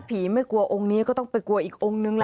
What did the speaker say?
ไม่กลัวองค์นี้ก็ต้องไปกลัวอีกองค์นึงล่ะ